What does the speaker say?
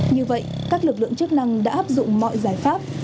như vậy các lực lượng chức năng đã áp dụng mọi giải pháp